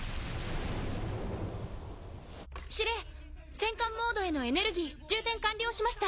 蔑戦艦モードへのエネルギー充填完了しました。